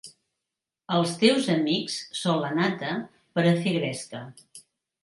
Els teus amics són la nata, per a fer gresca.